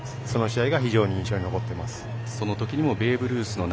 その試合が印象に残っています。